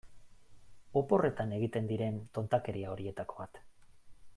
Oporretan egiten diren tontakeria horietako bat.